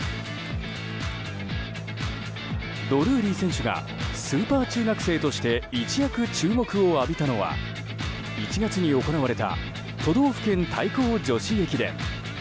ドルーリー選手がスーパー中学生として一躍注目を浴びたのは１月に行われた都道府県対抗女子駅伝。